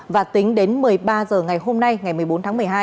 và tính đến một mươi ba h ngày hôm nay ngày một mươi bốn tháng một mươi hai